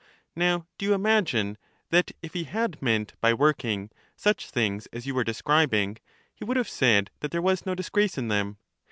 Now do you imagine that if he had meant by working such things as you were describing, he would have said that there was no disgrace in them?